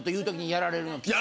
やられる！